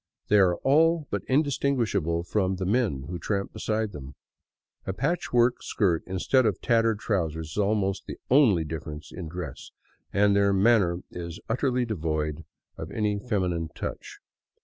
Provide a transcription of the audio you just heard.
They are all but indistinguishable from the men who tramp beside them. A patch work skirt instead of tattered trousers is almost the only difference in dress, and their manner is utterly devoid of any feminine touch.